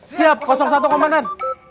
siap kosong satu komentan